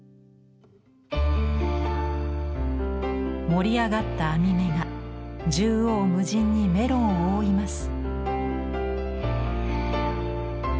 盛り上がった網目が縦横無尽にメロンを覆います。